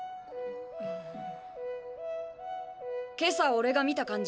今朝俺が見た感じ